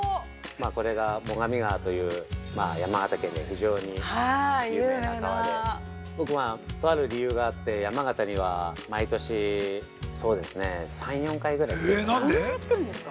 ◆これが最上川という山形県で非常に有名な川で僕、とある理由があって山形には毎年、３４回ぐらい来てるんです。